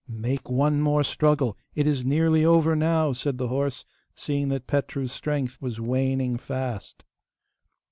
'Make one more struggle; it is nearly over now,' said the horse, seeing that Petru's strength was waning fast.